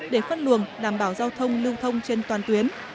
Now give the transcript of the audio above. để phân luồng đảm bảo giao thông lưu thông trên toàn tuyến